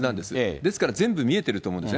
ですから全部見えてると思うんですね。